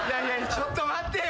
ちょっと待ってよ。